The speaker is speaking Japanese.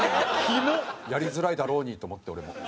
やりづらいだろうにと思って俺も。